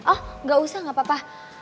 oh gak usah gak apa apa